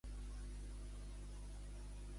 A quina ciutat va morir la Micaela?